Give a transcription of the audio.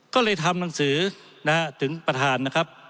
ก็เลยทำหนังสือถึงประธานนะครับ